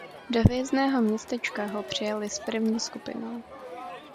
Do Hvězdného městečka ho přijali s první skupinou.